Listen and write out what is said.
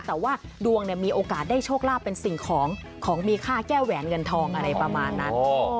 แต่ว่าดวงมีโอกาสได้โชคลาภเป็นสิ่งของของมีค่าแก้แหวนเงินทองอะไรประมาณนั้น